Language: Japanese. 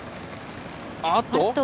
あっと！